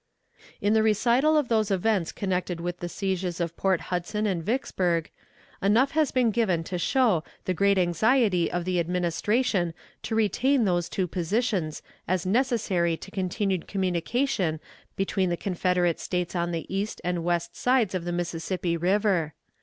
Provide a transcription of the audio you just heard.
In the recital of those events connected with the sieges of Port Hudson and Vicksburg, enough has been given to show the great anxiety of the Administration to retain those two positions as necessary to continued communication between the Confederate States on the east and west sides of the Mississippi River.